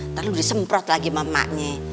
ntar lu disemprot lagi sama emaknya